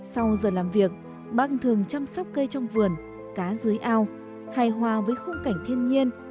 sau giờ làm việc bác thường chăm sóc cây trong vườn cá dưới ao hài hòa với khung cảnh thiên nhiên